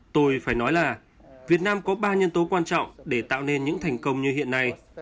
tôi phải nói là việt nam có ba nhân tố quan trọng để tạo nên những thành công như hiện nay